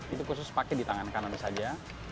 itu khusus pakai di tangan kanan saja